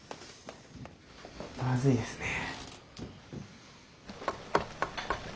まずいですね。